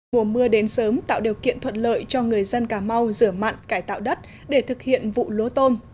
mùa mưa đến sớm tạo điều kiện thuận lợi cho người dân cà mau rửa mặn cải tạo đất để thực hiện vụ lúa tôm